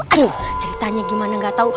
aduh ceritanya gimana gak tau